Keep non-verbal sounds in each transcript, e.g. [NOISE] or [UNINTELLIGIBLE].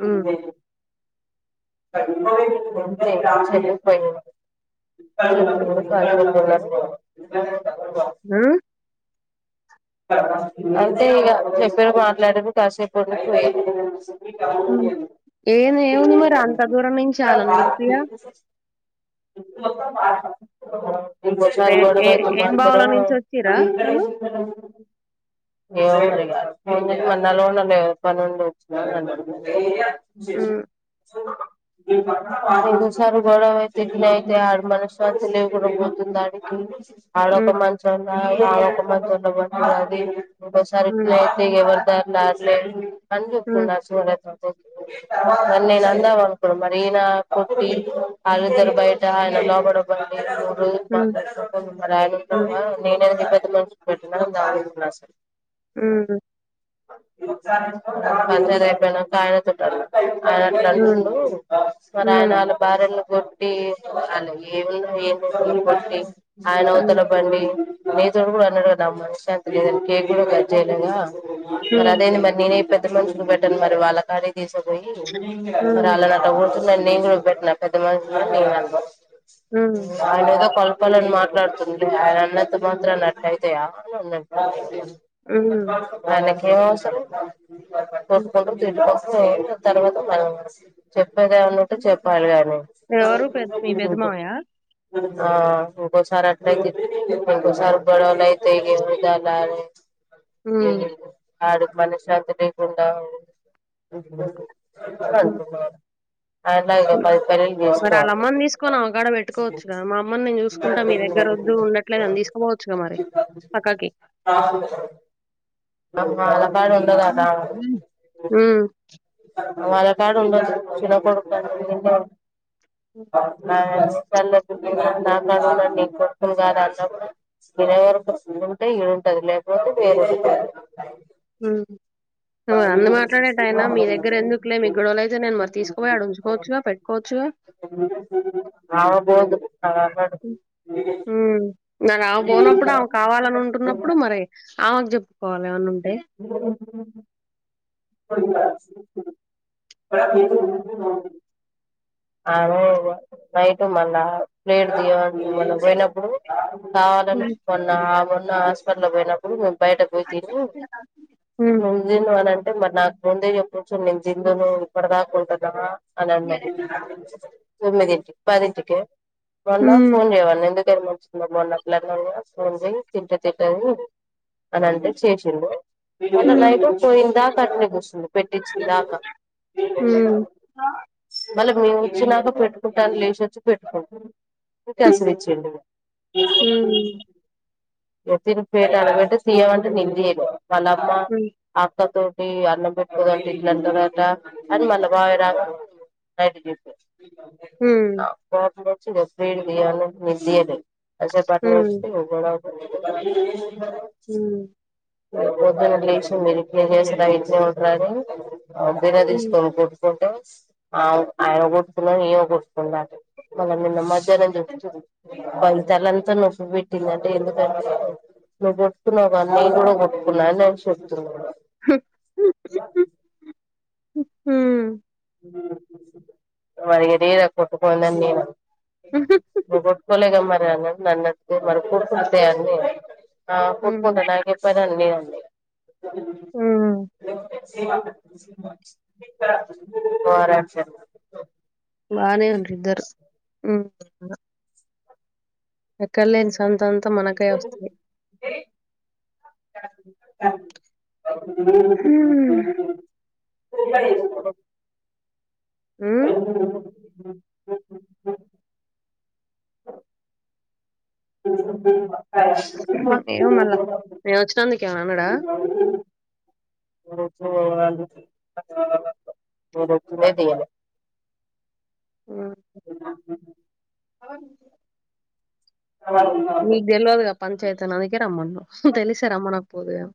హ్మ్ చె [UNINTELLIGIBLE] [INAUDIBLE] మ్ అంతే ఇగ చెప్పిరు మాట్లాడిరు కాసేపుండి పోయేదే ఏం ఏముంది మరి అంత దూరం నుంచి ఆళ్ళని పిలిపియా [INAUDIBLE] [INAUDIBLE] ఇంకో సారి ఏ ఏ ఏం బావుల గొడవైతుందనందురు నుంచి వచ్చిర్రా ఆళ్ళు [INAUDIBLE] ఏమో మరిగ ఫోన్ చేస్ [INAUDIBLE] పనుండి వచ్చినా అంటాడు చేసు హ్మ్ సూడు ఇంకోకసారి గొడవైతే యిట్లైతే ఆడ మనశ్శాంతి లేకుండా పోతుంది ఆడికి ఆడోక హ్మ్ మంచన్న తానొక మంచమ్లొ పడడు అది ఇది మూడోసారి ఇట్నే హ్మ్ అయితే తే ఎవరి దారి నార్దే అని హ్మ్ చెప్తుండే ఆ సూర్యాకాంతం అని నేన్ అందామనుకున్న మరి ఈయన కొట్టి లీకు ఆలోచన బయ్ ట ఆయన లోపట పండి హ్మ్ హ్మ్ [INAUDIBLE] [INAUDIBLE] మ్మ్ పంచాయతీ అయిపోయినాక ఆయనతోటి అడుగ్ ఆయన అట్లా హ్మ్ అంటుండు మరి హ్మ్ హ్మ్ ఆయనళ్ భార్యలను కొట్టి ఆనే ఏమైందో ఏమిటో కొట్టి ఆయన హ్మ్ అవతల పండి తినేచోట కూడా అన్నాడు కదా నాక్ మనశ్శాంతి లేదని కేక్ కూడా కట్ చేయలేదా మరి హ్మ్ అదేంది మరి నేనే పెద్ద మనిషిని పెట్టాను మరి వాళ్ళ కాడే తీసక్ పోయి హ్మ్ పరిసరళ్ళని అట్ట కొడుతున్నా అని నేను కూడా పెట్టినా పెద్ద మనిషి హ్మ్ [INAUDIBLE] ఆయన ఏదో కలపాలని మాట్లాడుతుండే ఆయన అన్నంత మాత్రన అట్ అయి [INAUDIBLE] హ్మ్ ఆయనకేమవసరం హ్మ్. కొట్టుకుంట్రు [INAUDIBLE] తర్వాత మనం చెప్పేదేమన్న టే చెప్పాలి గానీ ఎవరు పెద్ మీ పెద్ద మామయ్య ఆ ఇంగోసార్ అట్ట్నే ఇంగోసార్ గొడవలైత్ [INAUDIBLE] తెగే ఉల్ల బాలచం ఆ ఆడు మనశ్శాంతి లేకుండా ఇంటిలోనె ఉంటనం హ్మ్ టున్నాడు. మరి ఆళ్ళ చేసుకోవాలి అమ్మని దీసుకొని ఆమెకాడ బెట్టుకోవచ్చు గదా? మా అమ్మని నేను జూసుకుంటా మీ దగ్గర ఒద్దూ ఉండ ట్లేదని దీసుకోపోవచ్చుగా మరి పక్కకి వాళ్ళ కాడ ఉండదట హ్మ్ ఆమె హ్మ్ వాళ్ళ కాడ ఉండదు చిన్న కొడుకు అని ఈడ్నె ఉంటది నాక్ దెలిసి కన్నెత్తి జూడ గని నా కాడ ఉండు నేన్ కొడుకును గాదా? అన్నా కూడా మీరెవరు? ఈడ ఉంటే ఈడ ఉంటది. లేకపోతే, వేరే సిష్ట్ అయిత ఊ నువు అన్ని మాట్లాడేటాయన మీ దగ్గర ఎందుకులే మీక్ గొడవలు అయితే, నేను మరి తీసుకోపోయి ఆడ ఉంచుకోవచ్చుగా పెట్ కోవచ్చు గా ఆమె బోదు, ఆడ ఉండదు. ఊమ్, మరి ఆమె బోనప్పుడు, ఆమె కావాలని ఉంటున్నప్పుడు మరి ఆమెకు జెప్పుకోవాలె. ఏమన్న ఉంటే [INAUDIBLE] [UNINTELLIGIBLE] ఆమే నైట్ మల్లా లేటు దీయమంటూ మొన్న బొయినప్పుడు కావాలనె మొన్న ఆ మొన్న హాస్పిటల్ బొయినప్పుడు మేము బయటకు బొయి తినీ చలాకి తిందును అని అంటే, మరి నాకు ముందే జెప్పొచ్చు. నేను తిందునూ ఇప్పటి దాకా ఉంటదా? అని అన్నది. తొమ్మిదింటికి పదింటికే మొన్నా ఉమ్ ఫోన్ జేయమన్న ఎందుక్ ఇద్దర్ మంచిగుండడం మొన్న పిలలు దగ్గర సోన్ బొయీ తింటే తిట్టనీ అని అంటే చేసిండు. అటు ఉమ్ బయట పోయిన దాకా అట్నే గూసుంది పెట్టిచ్చిన దాకా ఉమ్ మళ్ళ మేము ఒచ్చినాక పెట్టుకుంటా అని లేసి ఒచ్చి పెట్టుకుం [UNINTELLIGIBLE] దెచ్చిండిగ తిరుప్పేటా ఆడ గొంటే తియ్యవా అంటే నేన్ దియ్యలే మలప్పా అక్క తోటి అన్నం పెప్పుతోటి తిన్న తర్వాతా అని మళ్ళా బావి రా లైట్ దీసెయ్ ఊ రాతిరొచ్చి వెబ్ సైడింగ్ ఇయ్యాలనుంచి మిస్ జెయ్యలే. ఐసా బ్యాక్లా [UNINTELLIGIBLE] ఉమ్ పెద్ద పెద్ద హీరోయిన్స్ ఉన్నరు ఊ రేపు పొద్దున్న లేసి, మీరు క్లిన్ జేసిన ఉంటారని బిన ఉమ్ దీసుకొని కొట్ ఫొటోస్ ఆయా ఆయన గొడ్తలేడ్, ఈయన గొడ్తుండ్ ఇందాకె మళ్ళ నిన్న మధ్యాహ్నం జెప్తే దాని తలంత నొప్పి బెట్టిందంటే ఎందుకంటే నువ్వు బొట్కున్నావ? నేను గూడా బొట్టుకున్నా నేను చెప్తున్నాను. హుహ్ వరి గడ్డీ కొట్టుకోందం నీడ ఉహు నువ్వు కొట్టుకోలేగా మరి అన్న నన్నట్తే మరి కుడు కుడ్తయా అని నేను ఆ ఉమ్. కుట్టుకుంటాను నాకేంపని అని నేనన్నా ఉమ్. ఇగ. ఓవరాక్షన్ బానే ఉండ్రు ఇద్దరు ఎక్కడలేని సంతంతా మనకే వస్తది. ఉమ్ హ్ [INAUDIBLE] [INAUDIBLE] ఏమో మళ్ళా నేను వచ్చినందుకు ఎమన్నా అన్నడా. [INAUDIBLE] అ [INAUDIBLE] తియ్యలే. హ్ [INAUDIBLE] నీకు తెల్వదుగా పంచాయతీ అని అందుకే రమ్మన్నం తెలిస్తే రమ్మనకపోదు కానీ.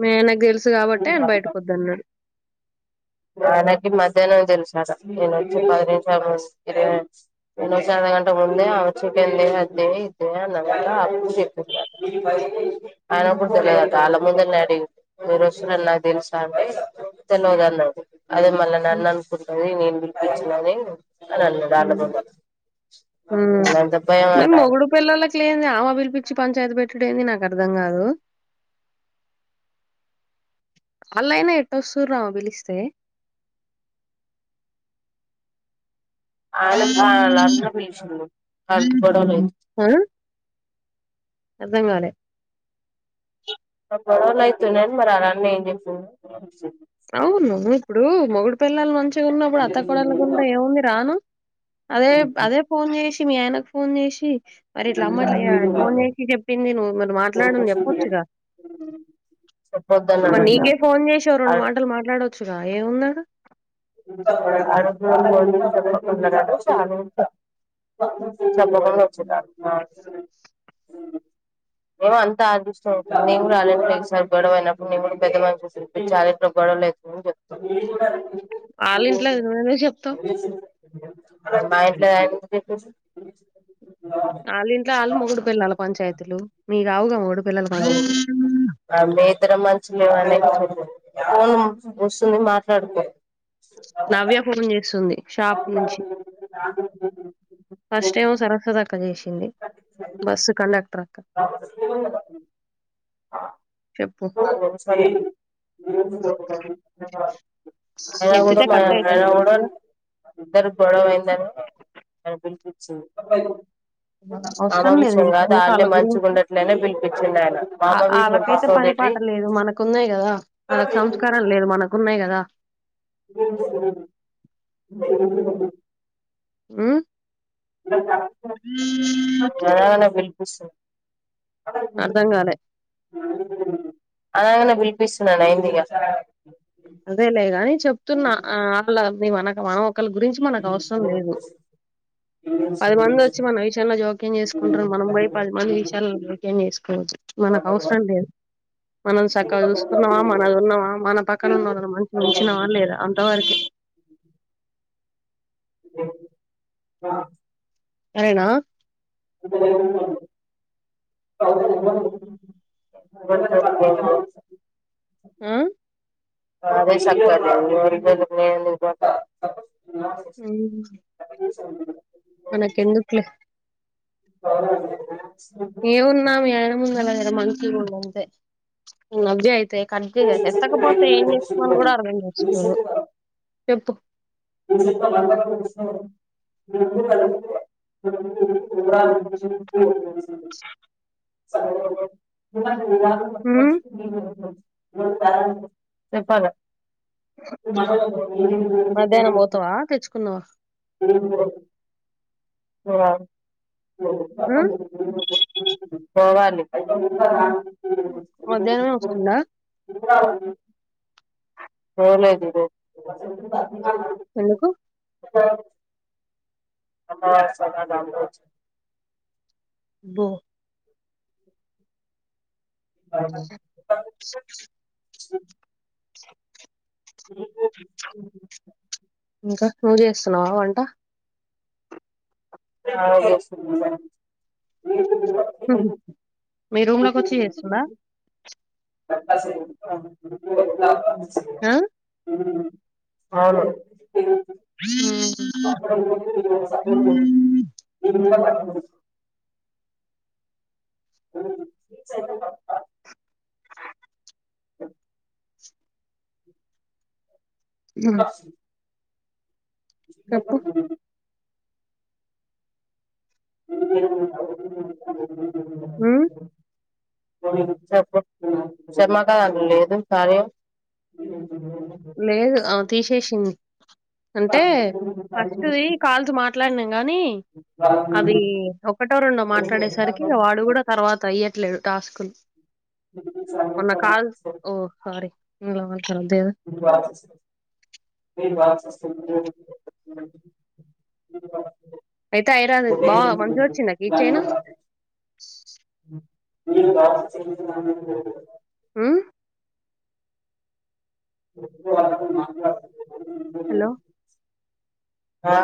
మీ ఆయనకు తెలుసు కాబట్టే ఆయన బయటికొద్దన్నడు. ఆయనకి మధ్యాహ్నమే తెలుసటా నేను వచ్చి పది నిమిషాల [UNINTELLIGIBLE] ఈయనోచ్చే అద్ద గంట ముందే ఆమే చెప్పింది అదే ఇదే అన్నమాట అప్పుడు చెప్పిండు నాకు. అయనకు కూడా తెలియద ట ఆళ్ళ ముందటనే అడిగిండు మీరు వచ్చినట్టు నాకు తెలుసా అంటే తెల్వదు అన్నడు. అది మళ్ళా నన్ను అనుకుంటది నేను పిలిపిచ్చినా అని. అని అన్నడు ఆళ్ళ ముందే ఉమ్ అంత భయం మరి అంటాడు. మొగుడు పిల్లలకి లేంది ఆమె పిలిపిచ్చి పంచాయతి పెట్టుడు ఏంది నాకు అర్థం కాదు. ఆళైనా ఎట్టస్తుర్రు ఆమె పిలిస్తే. ఆళ్ళకు ఆళ్ళ అన్న పిలిశిండు ఆళ్ళకు గొడవలు అయితే. హ్ అర్ధంకాలే. మాకు గొడవలయితున్నయని మరి అళ్ళా అన్న ఏం చెప్పిండో. అవును ఇప్పుడు మొగుడు పెళ్ళాలు మంచి గున్నప్పుడు అత్త కోడల్లకు ఉంటే ఏముంది రాను అదే అదే ఫోన్ చేసి, మీ ఆయనకు ఫోన్ చేసి మరి ఇట్లా అమ్మా ఇట్లా ఫోన్ చేశి చెప్పింది నువ్వు మరి మాట్లాడు అని చెప్పొచ్చుగా. మరి చెప్పొద్దన్నాడంట నీకే ఫోన్ చేశి ఓ రెండు ఆడ మాటలు మాట్లాడొచ్చుగా ఏముందాడా. [INAUDIBLE] చాలు ఇంకా. చెప్పకుండా వచ్చిందాట్నా. ఏమో అంతా అదృష్టము నేను కూడా రాలేంట్లే ఒకసారి గొడవ అయినప్పుడు మేము కూడా పెద్దమనుషులు పిలిపిచ్చి ఆళ్ళింట్లో గొడవలయి అని చెప్తా. వాళ్ళింట్లది నువ్వేందుకు చెప్తవు. తె మా ఇంట్లది [INAUDIBLE] ఆళ్ళింట్ల ఆళ్ళు మొగుడు పెళ్ళాల పంచాయతీలు మీయి కావుగా మొగుడు పెళ్ళాల పంచా అ మేం ఇద్దరం మంచిగలేమనే [INAUDIBLE] ఫోన్ వస్తుంది మాట్లాడుకో. నవ్య ఫోన్ చేస్తుంది షాప్ నుంచి. ఫస్ట్ ఎమో సరస్వతి అక్క చేశింది బస్సు కండక్టర్ అక్క. చెప్పు సర అయినా కూడా ఎత్తితే మా కట్ అయితది అయినా కూడా తెలుసుగా. ఇద్దరు గొడవ అయిందనే పిలిపిచ్చింది ఆమె అవసరం లేదు విషయం కాదు నీకెందుకు వాల్లే ఆళ్ళ మంచిగు గురించి. ఉండట్లేదు అని పిలిపించింది ఆయన ఆ మామ విషయం వాళ్ళకైతే పక్కకు పని పెట్టి పాట లేదు మనకున్నాయి కదా వాళ్ళకు సంస్కారం లేదు మనకు ఉన్నాయి కదా ఉం ఆ అనంగనే పిలిపిస్తుంది ఆ అర్ధం కాలే అనంగనే పిలిపిస్తున్నాను అయిందిగా అదేలేగాని చెప్తున్నా వాళ్ళ మేము అనక మనం ఒకళ్ళ గురించి మనకు అవసరం లేదు ఆ పది మంది వచ్చి మన విషయంలో జోక్యం చేసుకుంటారు మనం పోయి పది మంది విషయాల జోక్యం చేసుకోవద్దు మనకు అవసరం లేదు మనం చక్కగా చూసున్నావా మనది ఉన్నవా మన పక్క న ఉన్నోళ్లను మంచిగా ఉంచినవా లేదా అంతవరకే అ సరేనా ఆ అ ఆ నాదే సక్కగా ఎవరి జోలికి నేను ఎందుకు పోతా అ మనకి ఎందుకులే అ వున్నానమ ఆయన ముందు జర మంచిగా ఉండు అంతే నవ్య అయి తే కర్ చే ఎత్తకపోతే ఏం చేసుమని కూడా అర్థం చేసుకోదు చెప్పు అ అ స ఆహా ఉమ్ చెప్పాలా మధ్యాహ్నం పోతావా తెచ్చుకున్నావా హలో ఆ పోవాలి మధ్యాహ్నమే వస్తుందా పోలేదు ఈరోజు ఎందుకు ఆ ఆ సదా దాంతో అబో ఆహ ఇ ఇంకా నువ్వు చేస్తున్నావా వంట అ చేస్తున్న వన్ మీ రూమ్ లోకి వచ్చి చేస్తుందా స ఆ అవును మ్మ్ పో స చెప్పు మ్మ్ చెప్పు చెమ్మక్క లేదు కార్య లేదు అ తీసేసింది అంటే ఫస్ట్ ది కాల్స్ మాట్లాడినాం గాని అవి ఒకటో రెండో మాట్లాడేసరికి వాడు కూడా తర్వాత ఇయ్యట్లేదు టాస్కులు మన్న కాల్ ఓ సారీ ఇందుల మాట్లాడకూడదు కదా అయితే ఐరాద్ బా మంచిగొచ్చిందా కీ చైను మ్మ్ హలో ఆ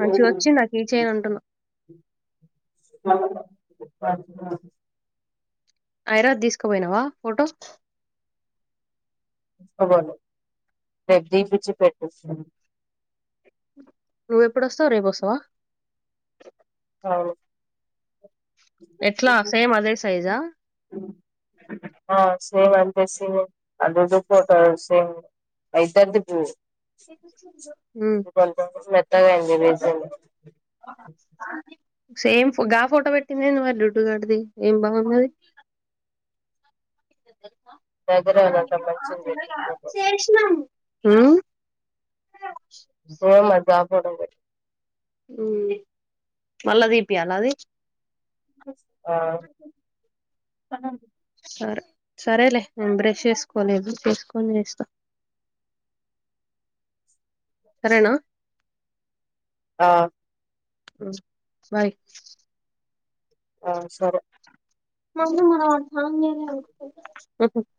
మంచిగొచ్చిందా కీ చైన్ అంటున్నా ఐరాద్ తీసుకుపోయినావా ఫోటో అవ్వదు ప్రద్దీప్ కి ఇచ్చి పెట్టిస్తా లే నువ్వు ఎప్పుడొస్తవ్ రేపు వస్తావా అవును ఎట్ల సేమ్ అదే సైజా ఆ సేమ్ అంటే సేమ్ అదేదో ఫోటో సేమ్ అయితంది చూడు మ్మ్ మెత్తగ అయ్యింది [UNINTELLIGIBLE] మ్మ్ సేమ్ గా ఫోటో పెట్టింది ఏంది మరి గొడ్డుగాడిది ఏం బాగున్నది నా దగ్గర నీ అంత మంచివి లేవు మ్మ్ పోన్లే అయితే ఆ ఫొటో నే మ్మ్ మళ్ళ తీపియ్యాల అది ఆ సరే సరేలే నేను బ్రష్ చేసుకోలేదు చేసుకొని చేస్తా సరేనా ఆ బాయ్ ఆ సరే ఉహు